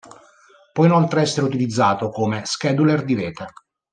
Può inoltre essere utilizzato come scheduler di rete.